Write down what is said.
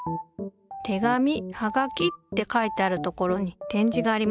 「手紙・はがき」って書いてあるところに点字がありますね。